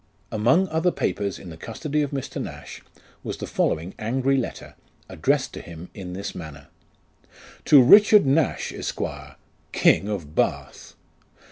Among other papers in the custody of Mr. Nash, was the following angry ktter, addressed to him in this manner : "TO KICHAED NASH, ESQ., "King of Bath.